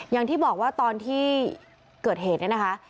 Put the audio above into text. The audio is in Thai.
อย่างที่บอกว่าตอนที่เกิดเหตุเนี่ยนะคะ